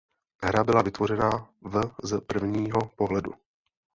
Hra byla vytvořena v z prvního pohledu.